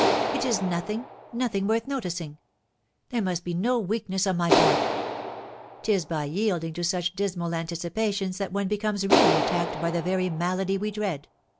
It is nothing, nothing worth noticing. There must be no weakness on my part. 'Tis by yielding to such dismal anticipations that one becomes really attacked by the very malady we dread.